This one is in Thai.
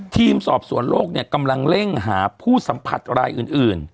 ทีมสอบสวนโลกเนี่ยกำลังเร่งหาผู้สัมผัสรายอื่น